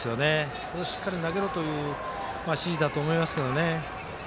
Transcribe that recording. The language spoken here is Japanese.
それをしっかり投げろという指示だと思いますけどね。